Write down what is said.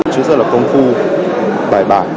chứa rất là công khu bài bản